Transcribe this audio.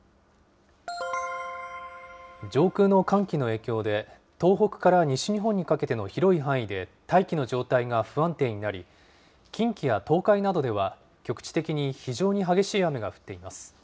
上空の寒気の影響で、東北から西日本にかけての広い範囲で、大気の状態が不安定になり、近畿や東海などでは局地的に非常に激しい雨が降っています。